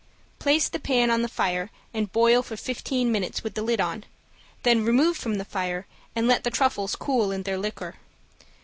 Place the pan on the fire and boil for fifteen minutes with the lid on, then remove from the fire, and let the truffles cool in their liquor.